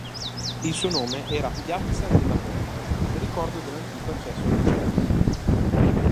Il suo nome era "piazza della Porta", in ricordo dell'antico accesso al castello.